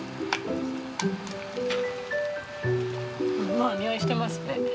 もう匂いしてますね